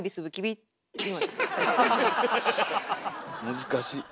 難しい。